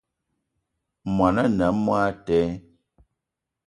Món ané a monatele